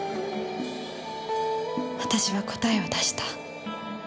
私は答えを出した。